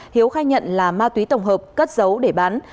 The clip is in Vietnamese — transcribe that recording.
hiếu khai nhận là ma túy tổng hợp cất giấu để bán